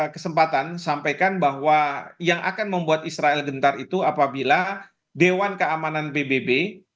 kesempatan sampaikan bahwa yang akan membuat israel gentar itu apabila dewan keamanan pbb